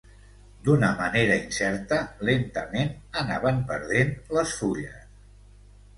D’una manera incerta, lentament, anaven perdent les fulles.